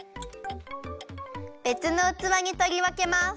べつのうつわにとりわけます。